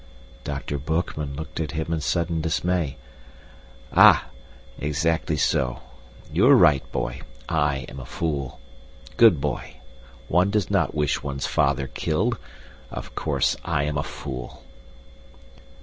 Dr. Boekman looked at him in sudden dismay. "Ah! Exactly so. You are right, boy, I am a fool. Good boy. One does not wish one's father killed of course I am a fool."